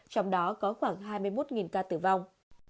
trong đó có khoảng hai mươi một ca tử vong